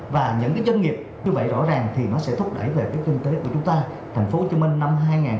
và những doanh nghiệp như vậy rõ ràng thì nó sẽ thúc đẩy về cái kinh tế của chúng ta thành phố hồ chí minh năm hai nghìn hai mươi